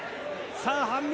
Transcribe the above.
さあ、半身。